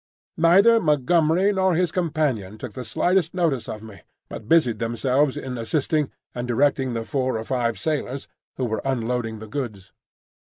Neither Montgomery nor his companion took the slightest notice of me, but busied themselves in assisting and directing the four or five sailors who were unloading the goods.